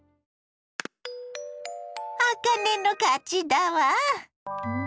あかねの勝ちだわ。